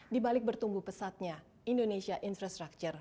di balik bertumbuh pesatnya indonesia infrastructure